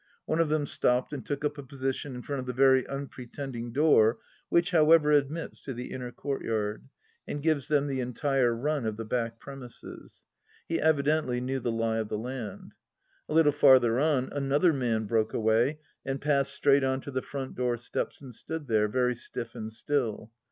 One of them stopped and took up a posi tion in front of the very unpretending door which, however, admits to the inner courtyard, and gives them the entire run of the back premises. He evidently knew the lie of the land 1 A little farther on another man broke away and passed straight on to the front door steps and stood there, very stiff and still.